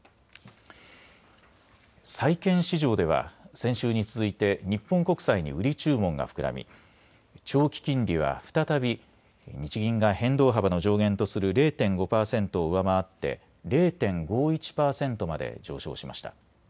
債券市場では先週に続いて日本国債に売り注文が膨らみ長期金利は再び日銀が変動幅の上限とする０．５％を上回って０．５１％まで上昇しました。